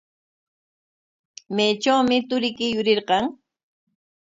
¿Maytrawmi turiyki yurirqan?